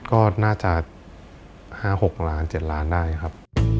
ก็น่าจะ๕๖หลานหรือ๗ล้านได้ครับ